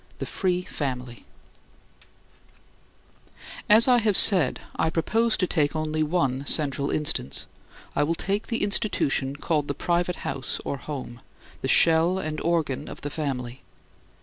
THE FREE FAMILY As I have said, I propose to take only one central instance; I will take the institution called the private house or home; the shell and organ of the family.